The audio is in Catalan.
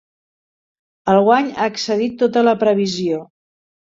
El guany ha excedit tota la previsió.